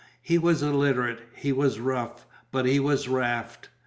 He was illiterate, he was rough, but he was Raft.